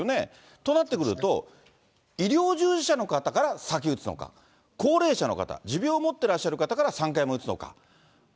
となってくると、医療従事者の方から先打つのか、高齢者の方、持病を持ってらっしゃる方から３回目打つのか。